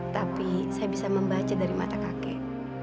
tapi saya bisa membaca dari mata kakek